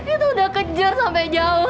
itu udah kejar sampai jauh